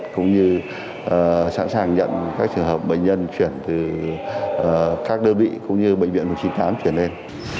chúng tôi sẽ sẵn sàng nhận các trường hợp bệnh nhân chuyển từ các đơn vị cũng như bệnh viện một trăm chín mươi tám chuyển lên